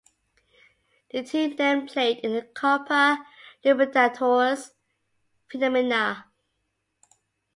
The team then played in the Copa Libertadores Femenina.